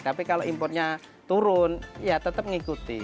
tapi kalau impornya turun ya tetap mengikuti